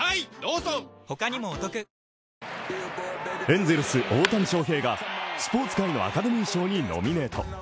エンゼルス・大谷翔平がスポーツ界のアカデミー賞にノミネート。